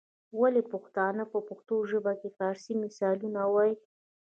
ولي پښتانه په پښتو ژبه کي فارسي مثالونه وايي؟